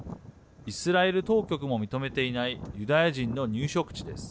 イスラエル当局も認めていないユダヤ人の入植地です。